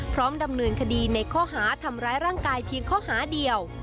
พร้อมดำเนินคดีในข้อหาทำร้ายร่างกายเพียงข้อหาเดียว